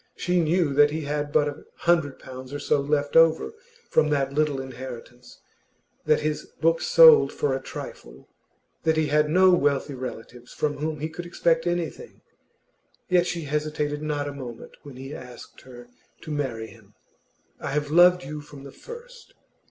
She knew that he had but a hundred pounds or so left over from that little inheritance, that his books sold for a trifle, that he had no wealthy relatives from whom he could expect anything; yet she hesitated not a moment when he asked her to marry him. 'I have loved you from the first.